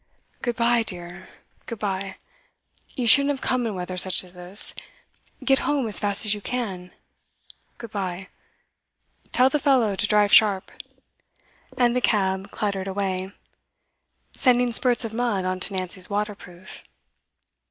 'Good bye, dear; good bye! You shouldn't have come in weather such as this. Get home as fast as you can. Good bye! Tell the fellow to drive sharp.' And the cab clattered away, sending spurts of mud on to Nancy's waterproof.